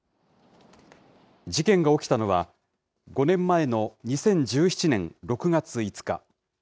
事件が起きたのは、５年前の２０１７年６月５日。